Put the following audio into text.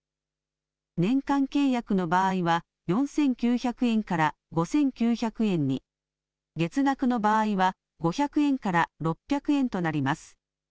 年間契約の場合は、４９００円から５９００円に、月額の場合は、５００円から６００円となります。